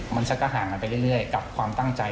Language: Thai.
มันจะขาหาไปเรื่อยกับความตั้งใจ